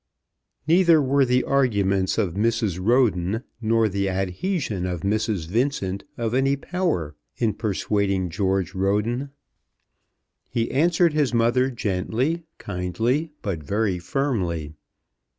Neither were the arguments of Mrs. Roden nor the adhesion of Mrs. Vincent of any power in persuading George Roden. He answered his mother gently, kindly, but very firmly.